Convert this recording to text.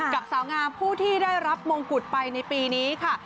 กับสาวงามผู้ที่ได้รับมงกุฎไปในปีนี้ค่ะ